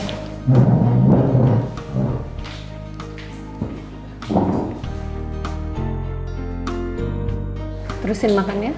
terusin makan ya